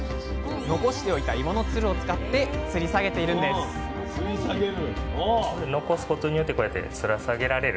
残しておいたいものつるを使ってつり下げているんですつらさげ！